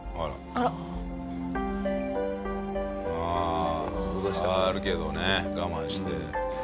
ああ触るけどね我慢して。